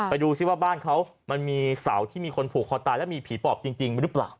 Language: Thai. ไปดูซิว่าบ้านเขามันมีเสาที่มีคนผูกคอตายแล้วมีผีปอบจริงหรือเปล่า